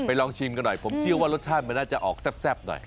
ลองชิมกันหน่อยผมเชื่อว่ารสชาติมันน่าจะออกแซ่บหน่อย